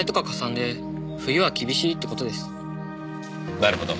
なるほど。